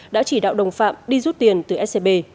đã chỉ đạo đồng phạm đi rút tiền từ scb